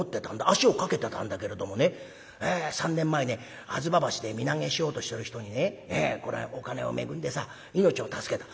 足をかけてたんだけれどもね３年前ね吾妻橋で身投げしようとしてる人にねお金を恵んでさ命を助けた。